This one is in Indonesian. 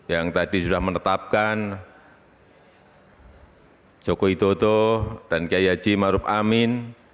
yang tadi sudah menetapkan joko widodo dan kiai haji maruf amin